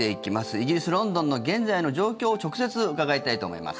イギリス・ロンドンの現在の状況を直接伺いたいと思います。